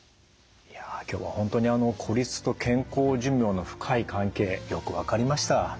いや今日は本当に孤立と健康寿命の深い関係よく分かりました。